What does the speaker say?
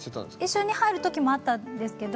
一緒に入るときもあったんですけど